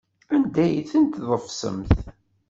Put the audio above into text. Anda ay tent-tḍefsemt?